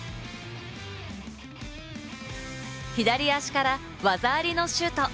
左足から技ありのシュート。